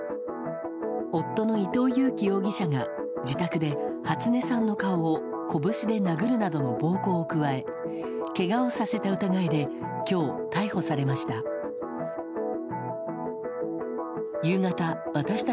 夫の伊藤裕樹容疑者が自宅で初音さんの顔をこぶしで殴るなどの暴行を加えけがをさせた疑いで今日、逮捕されました。